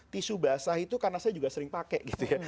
tisu basah itu karena saya juga sering pakai gitu ya